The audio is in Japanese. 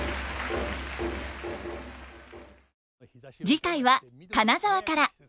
次回は金沢から。